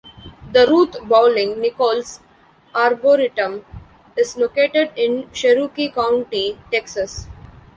The Ruth Bowling Nichols Arboretum is located in Cherokee County, Texas.